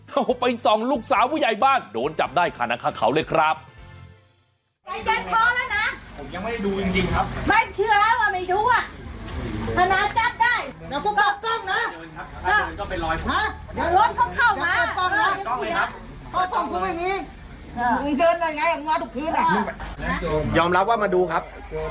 เอาไปส่องลูกสาวใหญ่บ้างโดนจับได้คณะค้าเขาเลยครับ